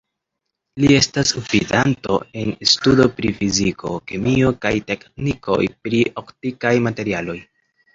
Li estas gvidanto en studo pri fiziko, kemio kaj teknikoj pri optikaj materialoj.